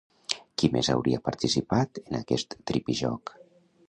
Qui més hauria participat en aquest tripijoc?